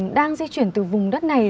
hay là đang di chuyển từ vùng đất này